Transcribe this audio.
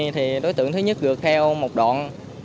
thì đối tượng thứ nhất gược theo một đoạn